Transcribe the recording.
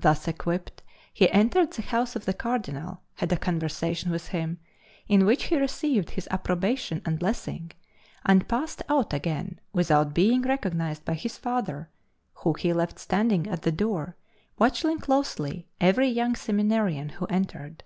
Thus equipped, he entered the house of the Cardinal, had a conversation with him, in which he received his approbation and blessing, and passed out again without being recognized by his father, who he left standing at the door watching closely every young seminarian who entered.